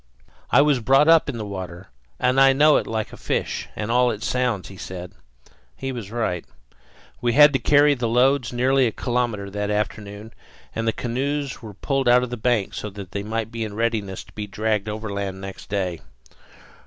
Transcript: "I was brought up in the water, and I know it like a fish, and all its sounds," said he. He was right. We had to carry the loads nearly a kilometre that afternoon, and the canoes were pulled out on the bank so that they might be in readiness to be dragged overland next day.